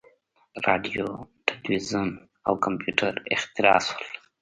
• راډیو، تلویزیون او کمپیوټر اختراع شول.